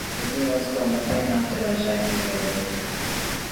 کس روز تہمتیں نہ تراشا کیے عدو